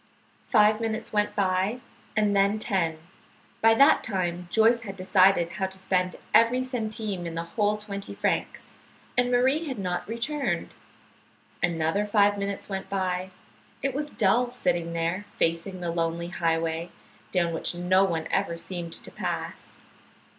Five minutes went by and then ten. By that time Joyce had decided how to spend every centime in the whole twenty francs, and Marie had not returned. Another five minutes went by. It was dull, sitting there facing the lonely highway, down which no one ever seemed to pass.